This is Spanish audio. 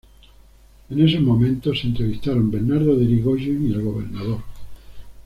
En esos momentos se entrevistaron Bernardo de Irigoyen y el gobernador.